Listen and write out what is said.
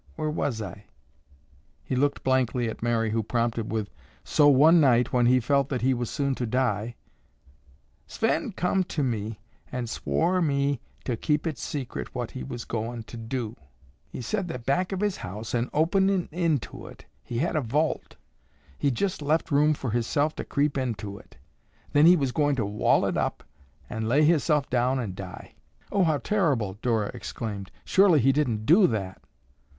Whar was I?" He looked blankly at Mary who prompted with, "So one night when he felt that he was soon to die—" "Sven come to me an' swore me to keep it secret what he was goin' to do. He sed that back of his house an' opening into it, he had a vault. He'd jest left room for hisself to creep into it. Then he was goin' to wall it up, an' lay hisself down an' die." "Oh, how terrible!" Dora exclaimed. "Surely he didn't do that?"